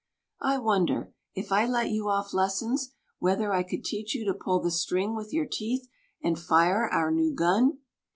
I wonder, if I let you off lessons, whether I could teach you to pull the string with your teeth, and fire our new gun?